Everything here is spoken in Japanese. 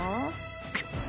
くっ！